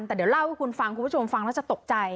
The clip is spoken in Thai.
แต่เดี๋ยวเล่าให้คุณฟังคุณผู้ชมฟังแล้วจะตกใจ